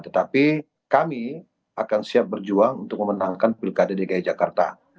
tetapi kami akan siap berjuang untuk memenangkan pilkada dki jakarta